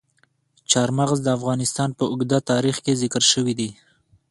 چار مغز د افغانستان په اوږده تاریخ کې ذکر شوي دي.